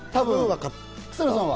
草野さんは？